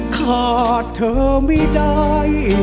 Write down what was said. ขาดเธอไม่ได้